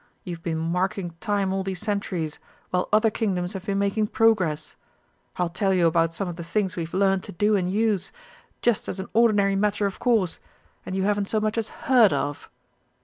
You've been marking time all these centuries while other Kingdoms have been making progress. I'll tell you about some of the things we've learnt to do and use, just as an ordinary matter of course and you haven't so much as heard of."